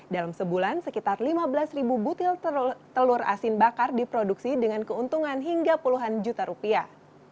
dalam sebulan sekitar lima belas ribu butil telur asin bakar diproduksi dengan keuntungan hingga puluhan juta rupiah